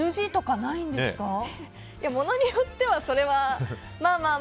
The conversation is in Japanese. ものによってはそれはまあまあ。